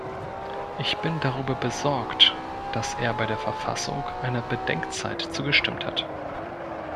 Ich bin darüber besorgt, dass er bei der Verfassung einer Bedenkzeit zugestimmt hat.